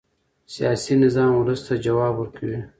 سیاسي نظام ولس ته ځواب ورکوي